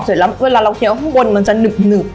เสร็จแล้วเวลาเราเคี้ยวข้างบนมันจะหนึบ